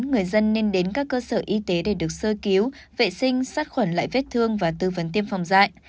người dân nên đến các cơ sở y tế để được sơ cứu vệ sinh sát khuẩn lại vết thương và tư vấn tiêm phòng dạy